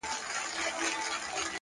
پوهه د ذهن سفر پراخوي